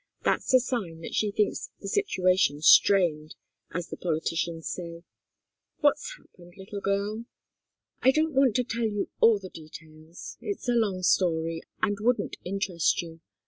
"That's a sign that she thinks the situation strained, as the politicians say. What's happened, little girl?" "I don't want to tell you all the details. It's a long story, and wouldn't interest you.